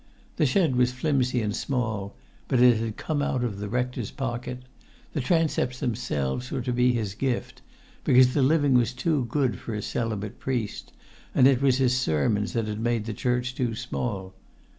The shed was flimsy and small, but it had come out of the rector's pocket; the transepts themselves were to be his gift, because the living was too good for a celibate priest, and it was his sermons that had made the church too small.